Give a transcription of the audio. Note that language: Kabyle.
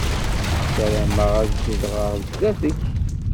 Ssarameɣ ad zedɣeɣ sdat-k.